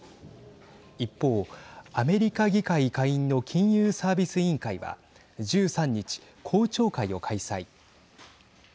一方、アメリカ議会下院の金融サービス委員会は１３日、公聴会を開催。